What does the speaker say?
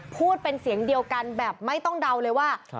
พูดเป็นเสียงเดียวกันแบบไม่ต้องเดาเลยว่า